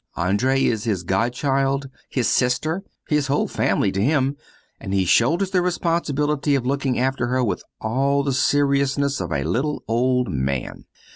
Andree is his godchild, his sister, his whole family to him; and he shoulders the responsibility of looking after her with all the seriousness of a little old man.